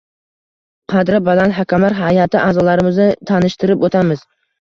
qadri baland hakamlar hay’ati a’zolarimizni tanishtirib o‘tamiz.